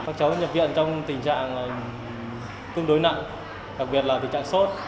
các cháu nhập viện trong tình trạng tương đối nặng đặc biệt là tình trạng sốt